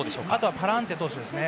パランテ投手ですね。